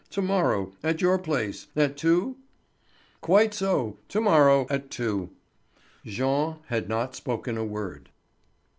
"To morrow, at your place, at two?" "Quite so. To morrow, at two." Jean had not spoken a word.